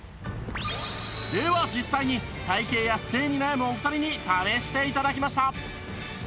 では実際に体形や姿勢に悩むお二人に試して頂きました